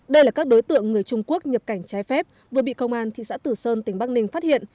đây là các đối tượng người trung quốc nhập cảnh trái phép vừa bị công an thị xã tử sơn tỉnh bắc ninh phát hiện